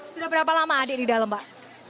sudah berapa lama adik di dalam pak